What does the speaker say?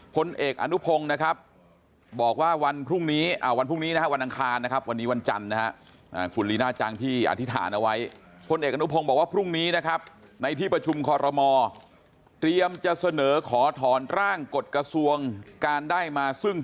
ผลเอกอนุพงศ์นะครับบอกว่าวันพรุ่งนี้วันอังคารวันนี้วันจันทร์นะครับ